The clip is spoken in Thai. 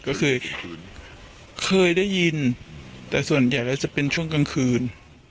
ก็เคยเคยได้ยินแต่ส่วนใหญ่แล้วจะเป็นช่วงกลางคืน